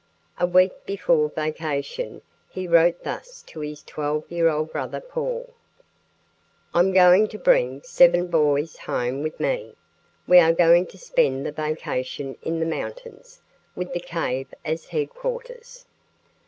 A week before vacation he wrote thus to his 12 year old brother, Paul: "I'm going to bring seven boys home with me. We are going to spend the vacation in the mountains, with the cave as headquarters.